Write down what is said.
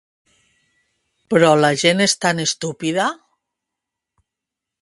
Però la gent és tan estúpida!